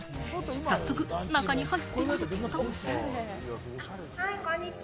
早速、中に入ってみると。